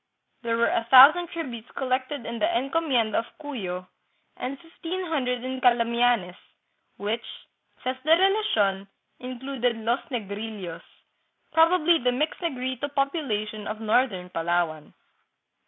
There were a thousand tributes collected in the encomienda of Cuyo, and fifteen hundred in Cala mianes, which, says the Relation, included " los negrillos," probably the mixed Negrito population of northern Pala wan.